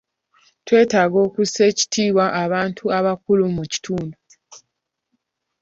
Twetaaga okussa ekitiibwa abantu abakulu mu kitundu.